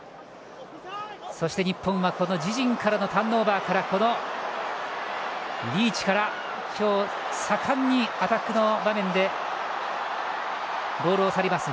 そして日本は自陣からのターンオーバーからリーチから今日盛んにアタックの場面でボールを触ります